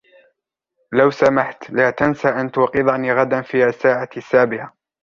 لوسمحت لاتنسى أن توقظني غدا في الساعة السابعة.